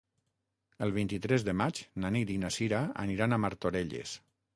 El vint-i-tres de maig na Nit i na Cira aniran a Martorelles.